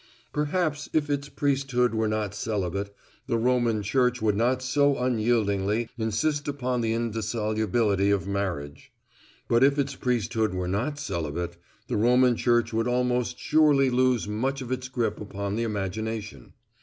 Perhaps if its priesthood were not celibate, the Roman Church would not so unyieldingly insist upon the indissolubility of marriage. But if its priesthood were not celibate, the Roman Church would almost surely lose much of its grip upon the imagination.